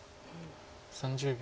３０秒。